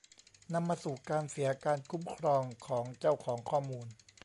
นำมาสู่การเสียการคุ้มครองของเจ้าของข้อมูล